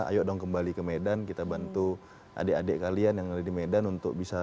ayo dong kembali ke medan kita bantu adik adik kalian yang ada di medan untuk bisa